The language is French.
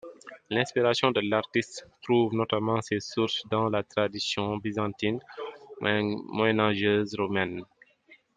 L’inspiration de l’artiste trouve notamment ses sources dans la tradition byzantine moyenâgeuse roumaine.